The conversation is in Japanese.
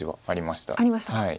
ありましたか。